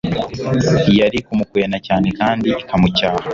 yari kumukwena cyane kandi ikamucyaha.